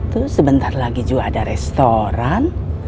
terus sebentar lagi juga ada restoran